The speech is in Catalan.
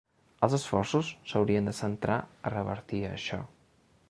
Els esforços s’haurien de centrar a revertir això.